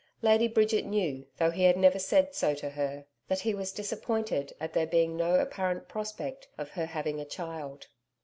Lady Bridget knew, though he had never said so to her, that he was disappointed at there being no apparent prospect of her having a child.